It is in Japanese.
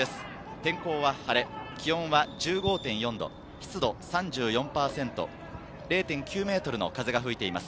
天候は晴れ、気温は１５．４度、湿度３４％、０．９メートルの風が吹いています。